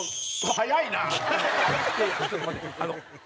早いな！